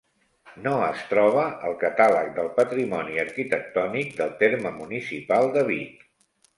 No es troba al Catàleg del Patrimoni Arquitectònic del terme municipal de Vic.